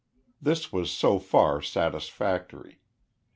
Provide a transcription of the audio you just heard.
This was so far satisfactory.